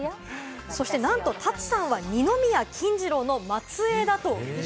そして、なんとＴＡＴＳＵさんは二宮金次郎の末えいだといいます。